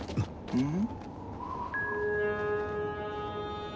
うん？